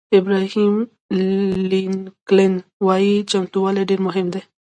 ابراهیم لینکلن وایي چمتووالی ډېر مهم دی.